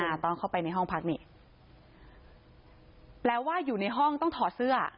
ตอนเข้าไปในห้องพักนี่แปลว่าอยู่ในห้องต้องถอดเสื้อ